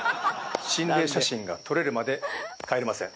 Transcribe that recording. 心霊写真が撮れるまで帰れません」。